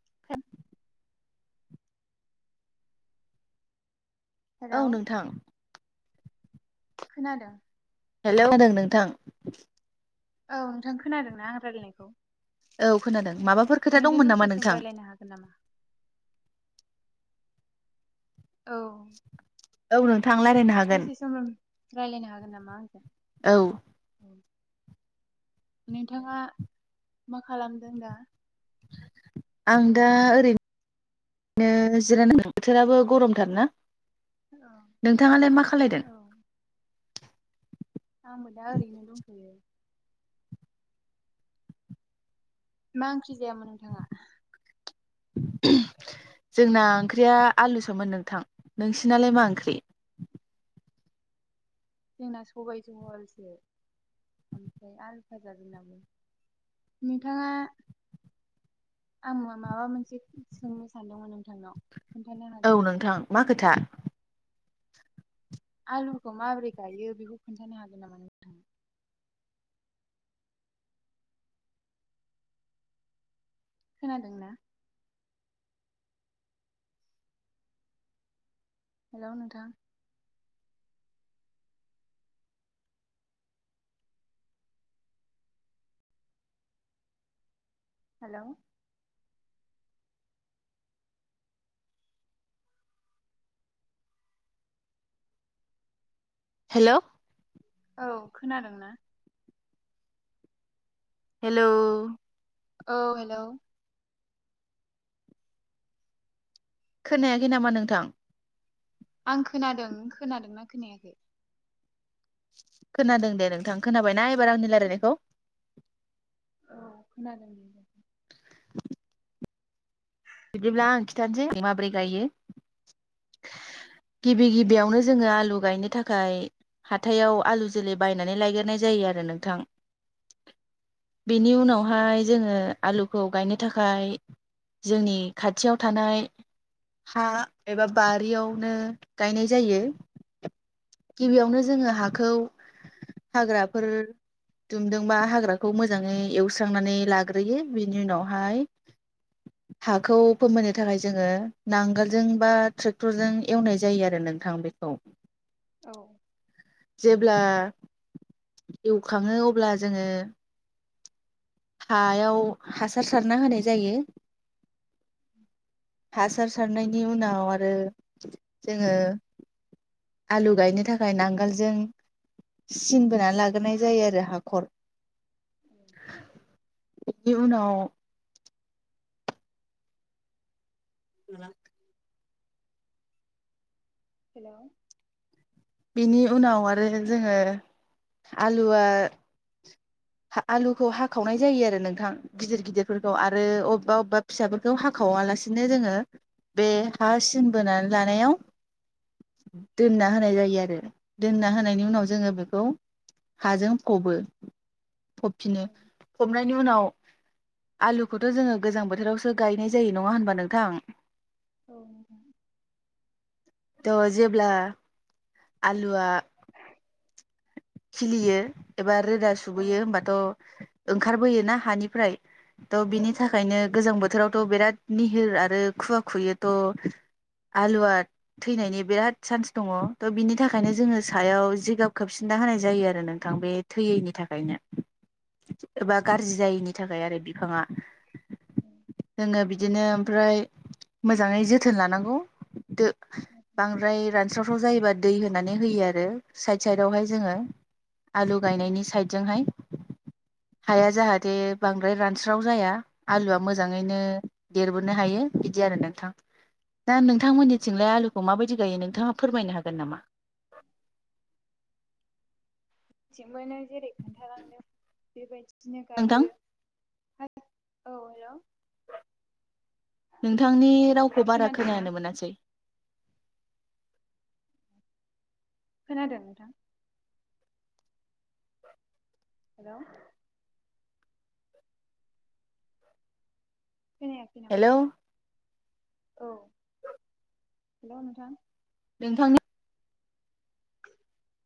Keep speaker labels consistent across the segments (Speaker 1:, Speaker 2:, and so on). Speaker 1: [inaudible] Hello
Speaker 2: औ नोंथां
Speaker 1: खोनादों।
Speaker 2: हेलौ होनदों नोंथां
Speaker 1: औ नोंथां खोनादोंनाआं रायलायनायखौ
Speaker 2: औ खोनादों
Speaker 1: औ
Speaker 2: माबाफोर खोथा
Speaker 1: नोंजों
Speaker 2: दंमोन
Speaker 1: दसे
Speaker 2: नामा
Speaker 1: सम
Speaker 2: नोंथां?
Speaker 1: रायलायनो हागोन नामा औ
Speaker 2: औ नों
Speaker 1: दसे समाव रायज्लायनो हागोन नामा? [inaudible]
Speaker 2: औ
Speaker 1: नोंथाङा मा खालामदों दा?
Speaker 2: आं दा ओरैनो जिराय बोथोराबो गरमथार ना।
Speaker 1: औ
Speaker 2: नोंथाङालाय मा खालायदों?
Speaker 1: औ आंबो दा ओरैनो दंखोयो। मा ओंख्रि जायामोन नोंथाङा?
Speaker 2: जोंना ओंख्रिया आलुसोमोन नोंथां नोंसिनालाय मा ओंख्रि?
Speaker 1: जोंना सबाय जहलसो ओमफ्राय आल फाजा जोंन नोंथाङा आं माबा मोनसे सोंनो सानदोंमोन नोंथांनाव खोन्थानो
Speaker 2: औ
Speaker 1: हागोन नामा
Speaker 2: नोंथां मा खोथा
Speaker 1: आलुखौ माबोरै गायो बेखौ खोन्थानो हागोन नामा नोंथाङा? खोनादोंना? हेलौ नोंथां हेलौ
Speaker 2: हेलौ
Speaker 1: औ खोनादोंना?
Speaker 2: हेलौ
Speaker 1: औ हेलौ
Speaker 2: खोनायाखै नामा नोंथां?
Speaker 1: आं खोनादों खोनादोंना खोनायाखै
Speaker 2: खोनादों दे नोंथां खोनाबायना एबार आंनि रायलायनायखौ
Speaker 1: औ खोनादों बे
Speaker 2: बिदिब्ला आं खिन्थानोसै माबोरै गायो गिबि
Speaker 1: औ
Speaker 2: गिबियावनो जोङो आलु गायनो थाखाय हाथायाव आलु जोलै बायनानै लायग्रनाय जायो आरो नोंथां बेनि
Speaker 1: औ
Speaker 2: उनावहाय जोङो आलुखौ गायनो थाखाय जोंनि खाथियाव थानाय हा एबा बारियावनो गायनाय जायो। गिबियावनो
Speaker 1: औ
Speaker 2: जोङो हाखौ हाग्राफोर दुमदोंबा हाग्राखौ मोजाङै एवस्रांनानै लाग्रोयो बेनि उनावहाय हाखौ फोमोननो थाखाय जोङो नांगोलजों बा थ्रेक्टरजों एवनाय जायो आरो नोंथां बेखौ
Speaker 1: औ
Speaker 2: जेब्ला एवखाङो अब्ला जोङो हायाव हासार सारना होनाय जायो। हासार सारनायनि उनाव आरो जोङो आलु गायनो थाखाय नांगाल जों सिनबोनानै लाग्रोनाय जायो आरो हाखर बिनि उनाव [unintelligible]
Speaker 1: हेलौ
Speaker 2: बिनि उनाव आरो जोङो आलुआ आलुखौ हाखावनाय जायो आरो नोंथां गिदिर गिदिरफोरखौ आरो अबबा-अबबा फिसाफोरखौ हाखावालासिनो जोङो बे हा
Speaker 1: औ
Speaker 2: सिन बोनानै लानायाव दोनना होनाय जायो आरो दोनना होनायनि उनाव जोङो बेखौ हाजों फबो। फबफिनो फबनायनि उनाव आलुखौथ' जोङो गोजां बोथोरावसो गायनाय जायो नङा होनबा नोंथां?
Speaker 1: औ
Speaker 2: थ' जेब्ला आलुआ खिलियो बा रोदा
Speaker 1: औ
Speaker 2: सुबैयो होमबाथ' ओंखारबोयोना हानिफ्राय त'' बिनि
Speaker 1: औ
Speaker 2: थाखायनो गोजां बोथोरावथ' बिराद निहोर आरो खुवा खुयो त' आलुवा थैनायनि बिराद सान्स दङ त' बिनि थाखायनो जोङो सायाव जिगाब खोबसि नना होनाय जायो आरो नोंथां बे थैयैनि थाखायनो। एबा गाज्रि जायिनि थाखाय आरो, बिफाङा
Speaker 1: औ
Speaker 2: जोङो बि बिदिनो ओमफ्राय मोजाङै जोथोन लानांगौ। दो बांद्राय रानस्रावस्राव जायोबा दै होनानै होयो आरो साइद-साइद दावहाय जोङो आलु
Speaker 1: औ
Speaker 2: गायनायनि साइदजोंहाय हाया जाहाथे बांद्राय रानस्राव जाया आलुआ मोजाङैनो देरबोनो हायो बिदि आरो नोंथां। दा नोंथांमोननिथिंलाया आलुखौ माबायदि गायो नोंथाङा फोरमायनो हागोन नामा?
Speaker 1: बिथिंबो नों जेरै खोन्थालांदों बेबायदि दिनो
Speaker 2: नोंथां
Speaker 1: गायो। औ हेलौ
Speaker 2: नोंथांनि रावखौ बारा
Speaker 1: खोनादोंना
Speaker 2: खोनानो मोनासै।
Speaker 1: खोनादों नोंथां? हेलौ खोनायाखै नामा?
Speaker 2: हेलौ
Speaker 1: औ, हेलौ नोंथां,
Speaker 2: नोंथांनि
Speaker 1: [inaudible]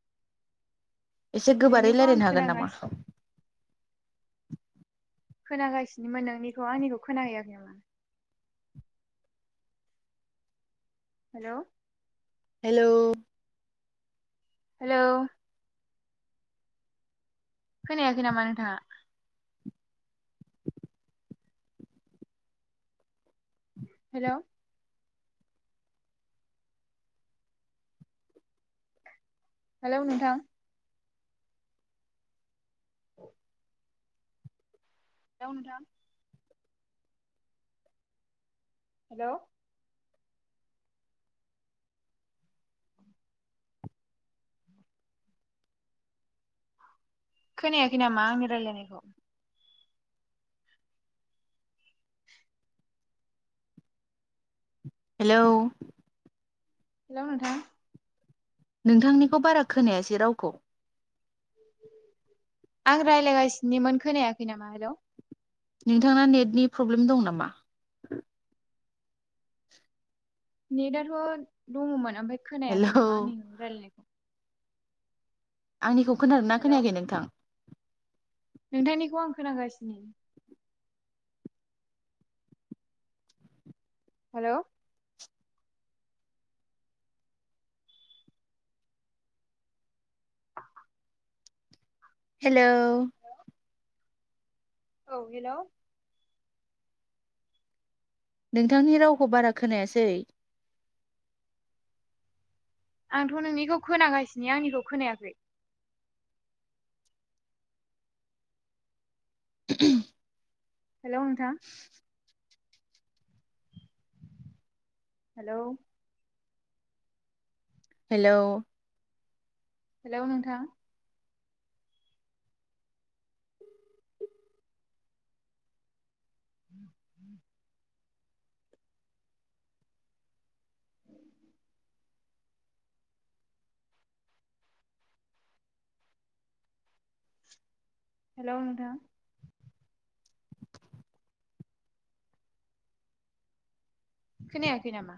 Speaker 2: एसे गोबारै
Speaker 1: नोंनिखौ आं
Speaker 2: रायलायनो हागोन नामा?
Speaker 1: खोनागासिनो खोनागासिनोमोन नोंनिखौ आंनिखौ खोनाहैयाखै नामा? हेल'
Speaker 2: हेल'
Speaker 1: हेल' खोनायाखै नामा नोंथांआ? हेल' हेल' नोंथां [inaudible] हेल' नोंथां हेल' खोनायाखै नामा आंनि रायलायनायखौ?
Speaker 2: हेलौ
Speaker 1: हेल' नोंथां
Speaker 2: नोंथांनिखौ बारा खोनायासै रावखौ।
Speaker 1: आं रायलायगासिनोमोन खोनायाखै नामा हेलौ।
Speaker 2: नोंथाङा नेटनि प्रब्लेम दं नामा?
Speaker 1: नेटआथ' दङमोन। ओमफ्राय
Speaker 2: हेलौ
Speaker 1: खोनायाखै नामा आंनि रायलायनायखौ।
Speaker 2: आंनिखौ खोनादोंना
Speaker 1: हेलौ
Speaker 2: खोनायाखै नोंथां?
Speaker 1: नोंथांनिखौ आं खोनागासिनो। हेल'
Speaker 2: हेल'
Speaker 1: औ हेल'
Speaker 2: नोंथांनि रावखौ बारा खोनायासै।
Speaker 1: आंथ' नोंनिखौ खोनागासिनो आंनिखौ खोनायाखै?
Speaker 2: [inaudible]
Speaker 1: हेल' नोंथां। हेल'
Speaker 2: हेल'
Speaker 1: हेल' नोंथां। [inaudible] हेल' नोंथां। खोनायाखै नामा?